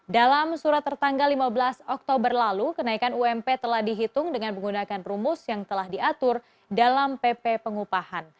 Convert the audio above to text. dalam surat tertanggal lima belas oktober lalu kenaikan ump telah dihitung dengan menggunakan rumus yang telah diatur dalam pp pengupahan